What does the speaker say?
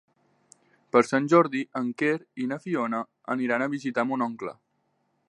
Per Sant Jordi en Quer i na Fiona aniran a visitar mon oncle.